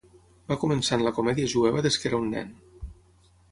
Va començar en la comèdia jueva des que era un nen.